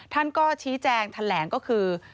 ท่านก็ชี้แจงแถลงก็คือ